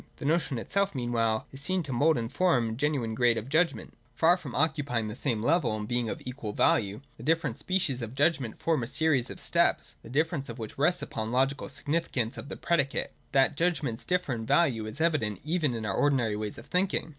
The notion itself meanwhile is seen to mould and form the genuine grade of judgment. 304 THE DOCTRINE OF THE NOTION. [171, 172. Far from occupying the same level, and being of equal value, the different species of judgment form a series of steps, the difference of which rests upon the logical signifi cance of the predicate. That judgments differ in value is evident even in our ordinary ways of thinking.